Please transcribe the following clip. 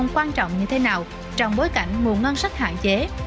quan trọng như thế nào trong bối cảnh nguồn ngân sách hạn chế